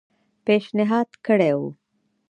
پېشنهاد کړی وو.